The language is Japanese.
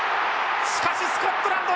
しかしスコットランド